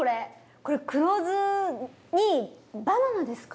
これ黒酢にバナナですか？